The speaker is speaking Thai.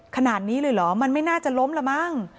ขนาดนี้เลยเหรอมันไม่น่าจะล้มละมั้ง